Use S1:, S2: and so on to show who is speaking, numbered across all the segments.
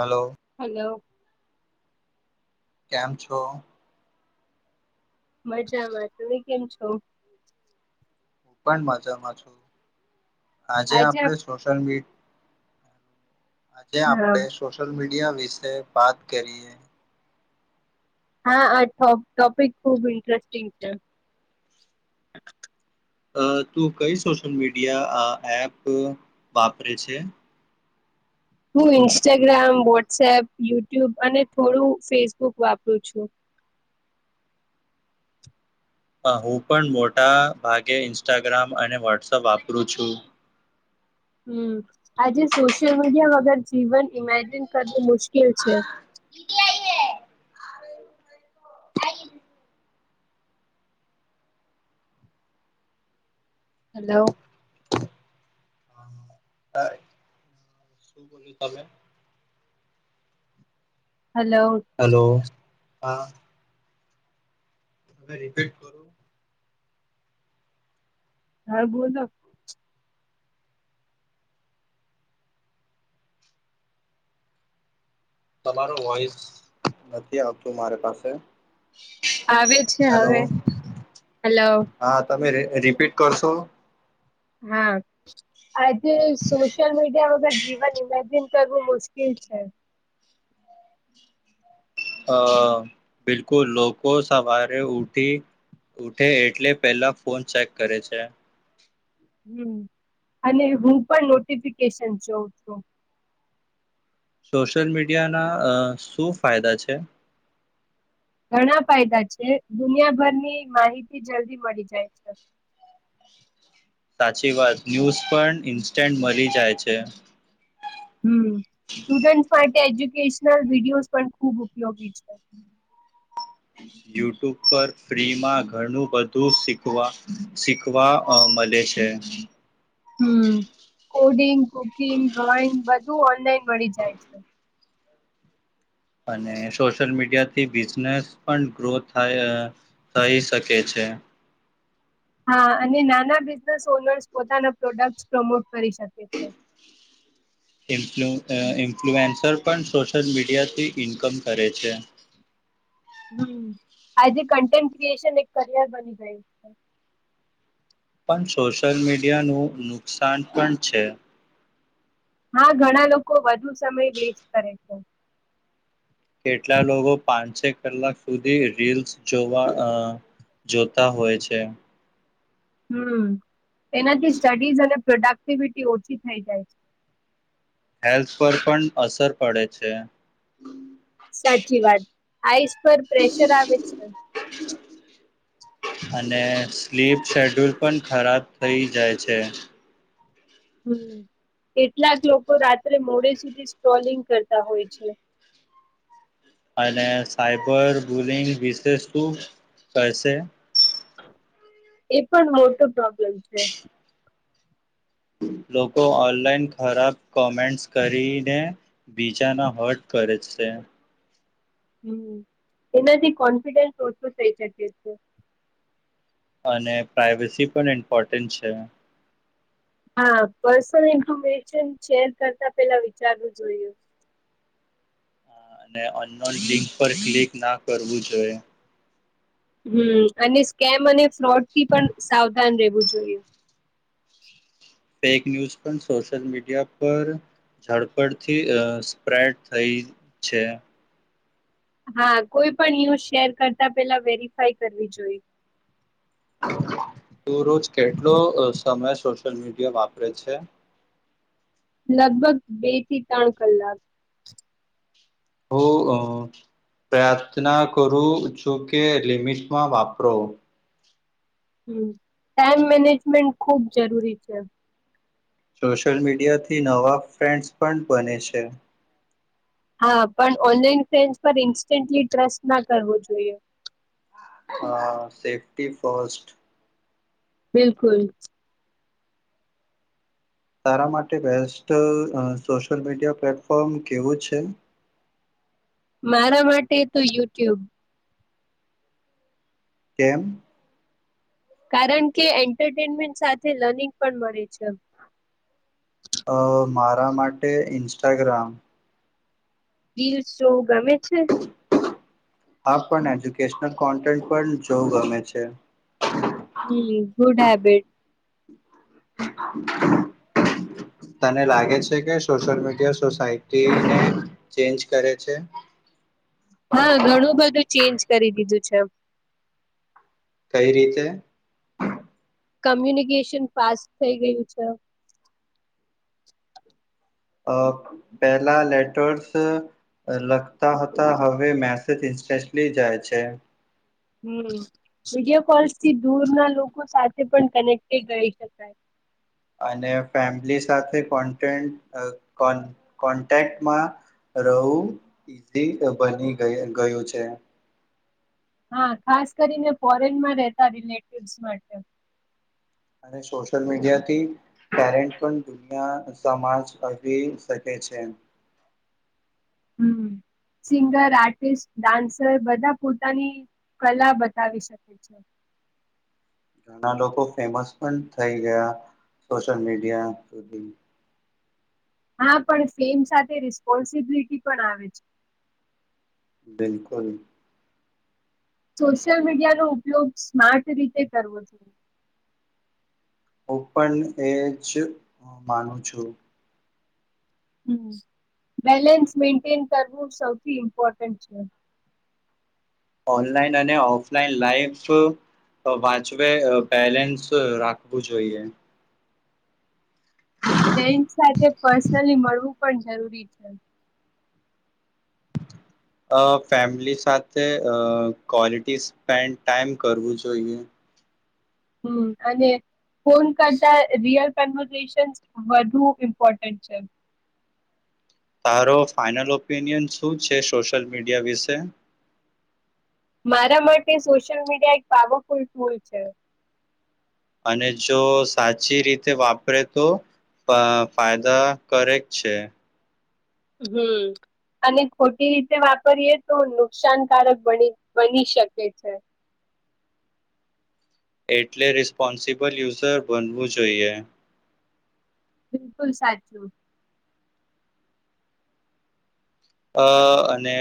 S1: Hello
S2: hello.
S1: કેમ છો?
S2: મજામાં. તમે કેમ છો?
S1: હું પણ મજામાં છું. આજે આપડે સોશિલ મી આજે
S2: હા
S1: આપડે સોશિયલ મીડિયા. મીડિયા વિશે વાત કરીએ.
S2: હા, આ ટોપિક ખુબ ઇન્ટરેસ્ટિંગ છે.
S1: અ તું કઈ સોશિયલ મીડિયા આ એપ વાપરે છે?
S2: હું ઇન્સ્ટાગ્રામ, વોટ્સએપ, યુટ્યુબ અને થોડું ફેસબુક વાપરું છું.
S1: હું પણ મોટા ભાગે ઇન્સ્ટાગ્રામ અને વોટ્સઅપ વાપરું છું.
S2: હમ આજે સોશિયલ મીડિયા વગર. જીવન ઈમેજિન કરવું મુશ્કેલ છે. હલો.
S1: બો્યું તમે.
S2: હલો.
S1: હેલો હા. અગર ઇફેક્ટ કરો.
S2: હા બોલો
S1: તમારો વોઈસ નથી આવતું મારે પાસે
S2: આવે, છે,
S1: હેલો
S2: હવે, હલો
S1: હા તમે રિપીટ કરશો
S2: હમ્મ આજે સોશિલ મીડિયા વગર જીવન ઈમેજિન કરવું મુશ્કેલ છે
S1: અ બિલકુલ લોકો સવારે ઉઠી, ઉઠે એટલે પેલા ફોન ચેક કરે છે
S2: હમ, અને હું પણ નોટિફિકેશન જોઉં છું
S1: સોશિયલ મીડિયાના અ શું ફાયદા છે
S2: ઘણા ફાયદા છે, દુનિયાભરની માહિતી જલ્દી મળી જાય છે
S1: સાચી વાત, ન્યૂઝ પણ ઇન્સ્ટન્ટ મલી જાય છે
S2: હમ, સ્ટુડન્ટ માટે એજ્યુકેશનલ વિડિયોઝ પણ ખૂબ ઉપયોગી છે
S1: યુટ્યુબ પર ફ્રીમાં ઘણું બધુ શીખવા, શીખવા મળે છે
S2: હમ, કોડિંગ, કુકિંગ, ડ્રોઈંગ, બધું ઓનલાઈન મળી જાય છે
S1: અને સોશિયલ મીડિયા થી બિઝનેસ પણ ગ્રો થાય થઈ શકે છે
S2: હા, અને નાના બિઝનેસ ઓનર્સ પોતાના પ્રોડક્ટસ પ્રમોટ કરી શકે છે
S1: ઇન્ફ્લુએન્સર પણ સોશિયલ મીડિયાથી ઇન્કમ કરે છે
S2: હમ, આજે કન્ટેન્ટ ક્રિએશન એક કરિયર બની ગયું છે
S1: પણ સોશિયલ મીડિયાનું નુકસાન પણ છે
S2: હા ઘણા લોકો વધુ સમય વેસ્ટ કરે. છે
S1: કેટલા લોકો પાંચ છ કલાક સુધી રીલ્સ જોવા જોતા હોય છે.
S2: હમ એનાથી સ્ટડીઝ અને પ્રોડક્ટિવિટી ઓછી થઈ જાય છે.
S1: હેલ્થ પર પણ અસર પડે છે.
S2: સાચી વાત આઈસ પર પ્રેશર આવે છે.
S1: અને સ્લીપ શેડ્યુલ પણ ખરાબ થઈ જાય છે.
S2: હમ એટલાક લોકો રાત્રે મોડે સુધી સ્ટ્રોલિંગ કરતા હોય છે.
S1: અને સાયબર બુલિંગ વિશે શું કરશે.
S2: એ પણ મોટો પ્ર લગ છે.
S1: લોકો ઓનલાઈન ખરાબ કોમેન્ટ્સ કરીને બીજાના હટ કરે છે.
S2: હમ એનાથી કોન્ફિડન્સ ઓછું થઈ શકે છે.
S1: અને પ્રઇવેસી પણ ઇમ્પોર્ટન્ટ છે.
S2: હા પર્સનલ ઇન્ફોર્મેશન શેર કરતા પેલા વિચારવું જોયું.
S1: અને લિંક પર ક્લિક ના કરવું જોઈ.
S2: હમ અને સ્કેમ અને ફ્રોડ થી પણ સાવધાન રહે ું જોઈએ.
S1: ફેક ન્યૂઝ પણ, સોશિયલ મીડિયા પર ઝડપડથી સ્પ્રેડ થઈ છે.
S2: હા કોઈ પણ યુઝ શેર કરતા પેલા વેરીફાય કરવી જોઈ.
S1: તું રોજ કેટલો અહ સમય સોશિયલ મીડિયા વાપરે છે?
S2: લગભગ બે થી ત્રણ કલાક.
S1: હું અહ પ્રાર્થના કરું છું કે લિમિટમાં વાપરો.
S2: હમ્મ, ટાઈમ મેનેજમેન્ટ ખૂબ જરૂરી છે..
S1: સોશિયલ મીડિયાથી નવા ફ્રેન્ડસ પણ બને છે.
S2: હા, પણ ઓનલાઈન ફ્રેન્સ પર ઇન્સ્ટન્ટલી ટ્રસ્ટ ના કરવો જોઈએ.
S1: હા, સેફ્ટી ફસ્ટ.
S2: બિલકુલ.
S1: તારા માટે બેસ્ટ અહ સોશિયલ મીડિયા પ્લેટફોર્મ કેવું છે?
S2: મારા માટે તો યુટ્યુબ.
S1: કેમ?
S2: કારણ કે એન્ટરટેનમેન્ટ સાથે લર્નિંગ પણ મળે છે.
S1: અ મારા માટે ઇન્સ્ટાગ્રામ.
S2: રીલ શો ગમે છે?
S1: હા પણ એજ્યુકેશનલ કોન્ટેન્ટ પણ જોવું ગમે છે.
S2: હમ ગુડ હેબિટ.
S1: તને લાગે છે કે સોશિયલ મીડિયા સોસાયટીને ચેન્જ કરે છે?
S2: હા ઘણું બધું ચેન્જ કરી દીધું છે.
S1: કઈ રીતે?
S2: કમ્યુનિકેશન ફાસ્ટ થઈ ગયું છે.
S1: પહેલા લેટર્સ લખતા હતા હવે મેસેજ ઇન્સ્ટન્ટલી જાય છે.
S2: હમ, વિડીયો કોલ્ થી દૂર ના લોકો સાથે પણ કનેક્ટ રહી શકાય.
S1: અને ફેમિલી સાથે કોન્ટે કો કોન્ટેક્ટમાં, રહેવું ઈઝી બની ગયું છે.
S2: હા ખાસ કરીને ફોરેનમાં રહેતા રિલેટિવ્સ માટે.
S1: અને સોશિયલ મીડિયાથી ટેલેન્ટ પણ દુનિયા સમાજ આવી શકે છે.
S2: હમ, સિંગર આર્ટિસ્ટ ડાન્સર બધા પોતાની કલા બતાવી શકે છે.
S1: ઘણા લોકો ફેમસ પણ થઈ ગયા સોશિયલ મીડિયા સુધી.
S2: હા પણ ફેમ સાથે રિસ્પોન્સિબિલિટી પણ આવે છે.
S1: બિલકુલ.
S2: સોશિયલ મીડિયાનો ઉપયોગ સ્માર્ટ રીતે કરવો જોઈએ.
S1: ઓપન એજ હ માનું છું.
S2: હમ બેલેન્સ મેન્ટેન કરવું સૌથી ઇમ્પોર્ટન્ટ છે.
S1: ઓનલાઈન અને ઓફલાઈન લાઈફ, વાંચવે બેલેન્સ રાખવું જોઈએ.
S2: તેમ સાથે પર્સનલી મળવું પણ જરૂરી છે.
S1: અ ફેમિલી સાથે ક્વલિટી સ્પેન્ડ ટાઈમ કરવું જોઈએ.
S2: હમ અને, ફોન કરતા રિયલ કન્વશન્સ વધુ ઇમ્પોર્ટન્ટ છે.
S1: તારો ફાઈનલ ઓપિનિયન શું છે સોશિયલ મીડિયા વિશે?
S2: મારા માટે સોશિયલ મીડિયા એક પાવરફુલ ટૂલ છે.
S1: અને જો સાચી રીતે વાપરે તો ફાયદા કરેક છે.
S2: હમ અને ખોટી રીતે વાપરીએ તો નુકસાનકારક બ બની શકે છે.
S1: એટલે રિસ્પોન્સિબલ યુઝર બનવું જોઈએ.
S2: બિલકુલ સાચું.
S1: અ અને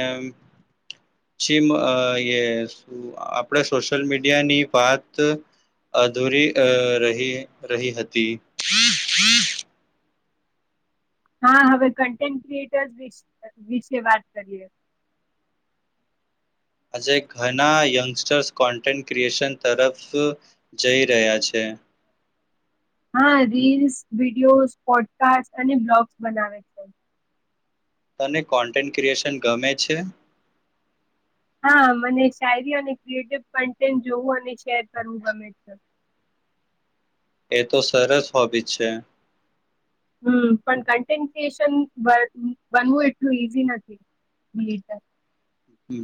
S1: મ આપણે સોશિયલ મીડિયાની વાત અધૂરી રહી રહી હતી.
S2: હા હવે કન્ટેન્ટ ક્રિએટર્ વિશે વાત કરીએ.
S1: આજે ઘણા યંગસ્ટર્સ કોન્ટેન્ટ ક્રિએશન તરફ જઈ રહ્યા છે.
S2: હા રીલ્સ વિડીયોઝ પોડકાસ્ટ અને બ્લોગ્સ બનાવે છે.
S1: તને કોન્ટેન્ટ ક્રિએશન ગમે છે?
S2: હા મને શાયરી અને ક્રિએટિવ કન્ટેન્ટ જોવું અને શેર કરવું ગમે છે.
S1: એ તો સરસ હોબી છે.
S2: હમ પણ કન્ટેન્સશન બનવું એટલું ઈઝી નથી,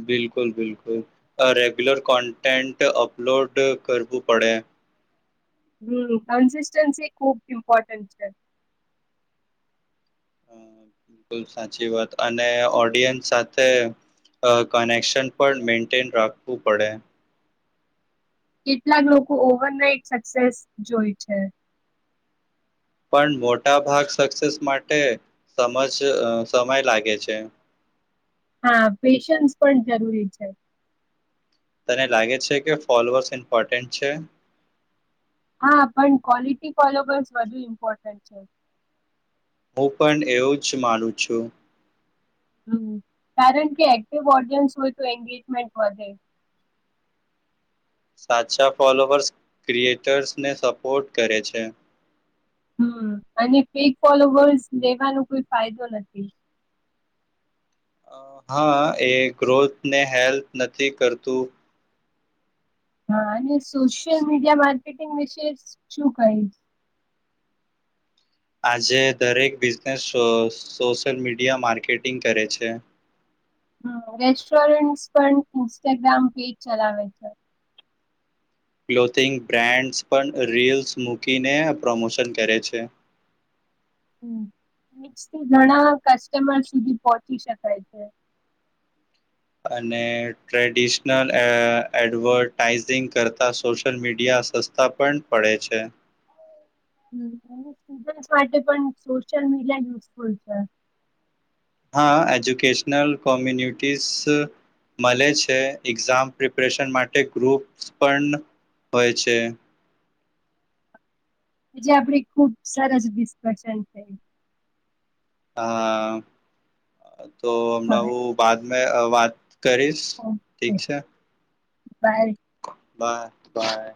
S1: બિલકુલ બિલકુલ, રેગ્યુલર કોન્ટેન્ટ અપલોડ કરવું પડે.
S2: હમ કન્સિસ્ટન્સી ખુબ ઇમ્પોર્ટન્ટ છે.
S1: બિલકુલ સાચી વાત અને ઓડિયન્સ સાથે કનેક્શન પણ મેન્ટેન રાખવું પડે.
S2: કેટલાક લોકો ઓવરનાઈટ સક્સેસ જોઈ છે,
S1: પણ મોટા ભાગ સક્સેસ માટે સમજ સમય લાગે છે,
S2: હા, પેશન્સ પણ જરૂરી છે,
S1: તને લાગે છે, કે ફોલોઅર્સ ઇમ્પોર્ટન્ટ છે,
S2: હા, પણ ક્વોલિટી ફલોબર્સ વધુ ઇમ્પોર્ટન્ટ છે,
S1: હું પણ એવું જ માનું છું,
S2: હમ્મ કારણ કે એક્ટિવ ઓડિયન્સ હોય તો એન્ંગેજમેન્ટ વધે
S1: સાચા ફોલોઅર્સ ક્રિએટર્સને સપોર્ટ કરે છે,
S2: હમ્મ અને ફેક ફોલોવર્સ લેવાનો કોઈ ફાયદો નથી,
S1: હા, એ ગ્રોથ ને હેલ્પ નથી કરતું,
S2: હા, અને સોશિયલ મીડિયા માર્કેટિંગ વિશે શું કહીશ.
S1: આજે દરેક બિઝનેસ સોશિયલ મીડિયા માર્કેટિંગ કરે છે,
S2: હ રેસ્ટોરન્ટ પણ ઇન્સ્ટાગ્રામ પેજ ચલાવે છે,
S1: ક્લોથિંગ બ્રાન્ડ્સ પણ રીલ્સ મૂકીને પ્રમોશન કરે છે.
S2: હ થી ઘણા કસ્ટમર સુધી પહોચી શકાય છે,
S1: અને ટ્રેડિશનલ એડવર્ટાઈઝિંગ કરતા સોશિયલ મીડિયા સસ્તા પણ પડે છે,
S2: હ એ સ્ટુડ માટે પણ સોશિયલ મીડિયા યુઝફુલ છે,
S1: હા, એજ્યુકેશનલ કોમ્યુનિટીઝ મળે છે, એક્ઝામ પ્રિપરેશન માટે ગ્રુપ્સ પણ હોય છે.
S2: હજ આપડ ખુબ સરસ ડિસ્કશન છે,
S1: હા તો
S2: હવે
S1: હમણા બાદ મે વાત કરીશ ઠીક
S2: ઓકે
S1: છે,
S2: બાય
S1: બાય બાય